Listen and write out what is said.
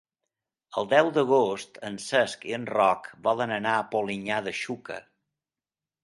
El deu d'agost en Cesc i en Roc volen anar a Polinyà de Xúquer.